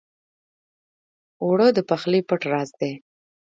اوړه د پخلي پټ راز دی